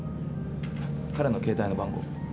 彼の携帯の番号。